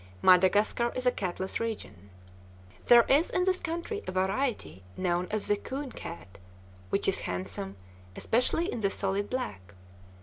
Madagascar is a catless region. There is in this country a variety known as the "coon cat," which is handsome, especially in the solid black.